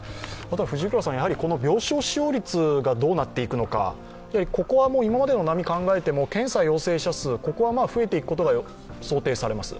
病床使用率がどうなっていくのか、ここはもう今までの波を考えても、検査陽性者数ここは増えていくことが想定されます。